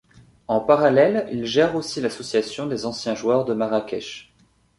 En parallèle, il gère aussi l'association des anciens joueurs de Marrakech.